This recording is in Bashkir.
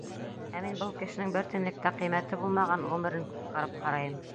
Ә мин был кешенең бер тинлек тә ҡиммәте булмаған ғүмерен ҡотҡарып ҡарайым.